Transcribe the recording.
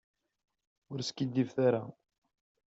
Ur skiddibet ara.